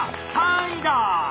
３位だ！